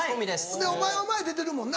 ほんでお前は前出てるもんな。